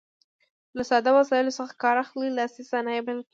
له ساده وسایلو څخه کار اخلي لاسي صنایع بلل کیږي.